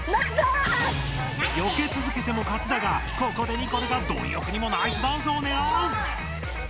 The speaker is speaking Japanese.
よけつづけても勝ちだがここでニコルがどんよくにもナイスダンスをねらう！